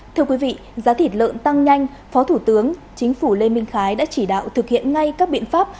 thưa quý vị giá thịt lợn tăng nhanh phó thủ tướng chính phủ lê minh khái đã chỉ đạo thực hiện ngay các biện pháp